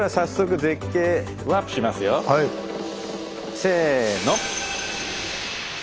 せの。